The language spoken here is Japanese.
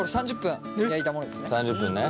３０分ね。